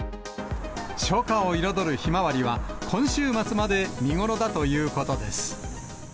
初夏を彩るひまわりは、今週末まで見頃だということです。